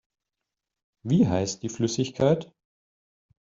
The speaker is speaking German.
Wie heißt die Flüssigkeit?